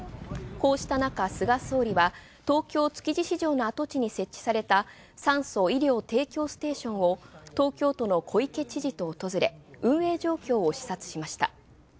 こうしたなか、菅総理は東京築地市場の跡地に設置された酸素・医療提供ステーションを東京都の小池知事と訪れ、運営状況を視察しました。